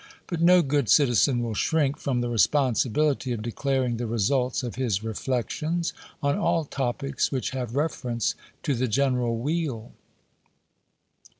But no good citizen will shrink from the responsibility of declaring the results of his reflections on all topics which have reference to the general weal."